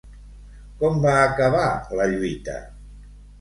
Com va acabar la lluita?